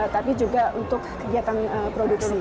tapi juga untuk kegiatan produksi